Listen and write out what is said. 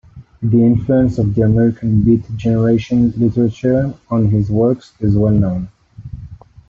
The influence of the American beat generation literature on his works is well known.